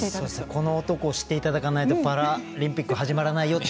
この男を知っていただかないとパラリンピック始まらないよと。